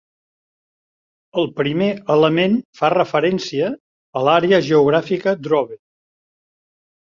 El primer element fa referència a l'àrea geogràfica "Dovre".